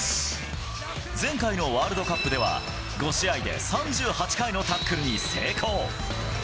前回のワールドカップでは、５試合で３８回のタックルに成功。